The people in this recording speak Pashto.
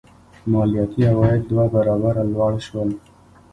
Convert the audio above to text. مالیاتي عواید دوه برابره لوړ شول.